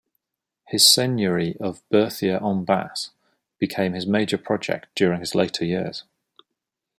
His seigneury of Berthier-en-bas became his major project during his later years.